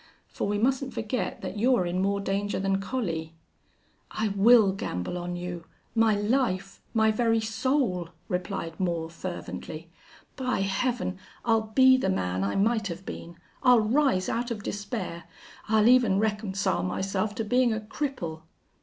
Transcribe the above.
For we mustn't forget that you're in more danger than Collie." "I will gamble on you my life my very soul," replied Moore, fervently. "By Heaven! I'll be the man I might have been. I'll rise out of despair. I'll even reconcile myself to being a cripple."